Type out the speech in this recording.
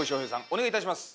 お願いいたします。